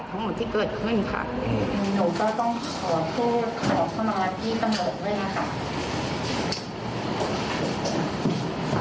หนูก็ต้องขอโทษขอสมรรถพี่ตำรวจด้วยนะคะ